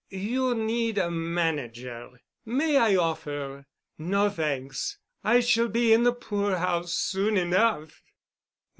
"You need a manager. May I offer——" "No, thanks. I shall be in the poor house soon enough."